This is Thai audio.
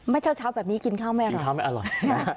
ไม่เช้าเช้าแบบนี้กินข้าวไม่อร่อย